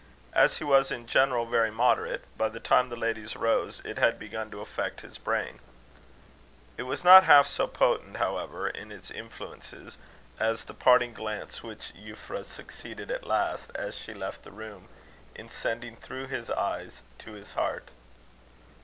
As he was in general very moderate, by the time the ladies rose, it had begun to affect his brain. It was not half so potent, however, in its influences, as the parting glance which Euphra succeeded at last, as she left the room, in sending through his eyes to his heart.